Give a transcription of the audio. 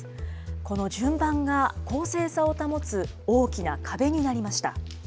この順番が公正さを保つ大きな壁になりました。